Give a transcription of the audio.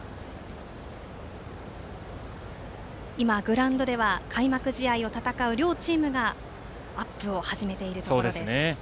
今、グラウンドでは開幕試合を戦う両チームがアップを始めているところです。